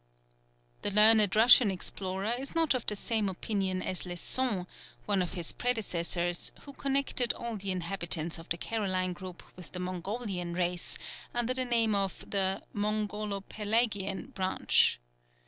The learned Russian explorer is not of the same opinion as Lesson, one of his predecessors, who connected all the inhabitants of the Caroline group with the Mongolian race, under the name of the "Mongolo Pelagian" branch.